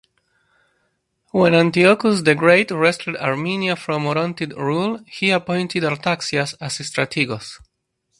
When Antiochus the Great wrestled Armenia from Orontid rule, he appointed Artaxias as strategos.